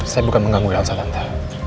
saya bukan mengganggu elsa tante